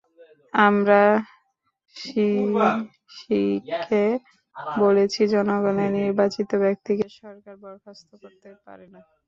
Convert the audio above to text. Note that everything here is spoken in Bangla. আমরা সিইসিকে বলেছি, জনগণের নির্বাচিত ব্যক্তিকে সরকার বরখাস্ত করতে পারে না।